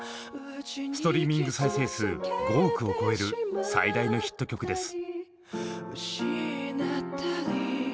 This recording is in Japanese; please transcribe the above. ストリーミング再生数５億を超える最大のヒット曲です。